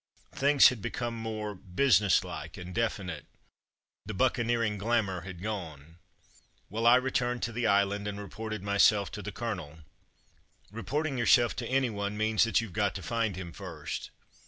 Things had become more businesslike and definite. The buccaneering glamour had gone. Well, I returned to "the Island" and reported myself to the colonel. Reporting yourself to any one means that youVe got to find him first.